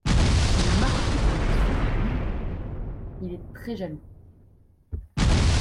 Si le marquis vous avait surpris… il est très jaloux.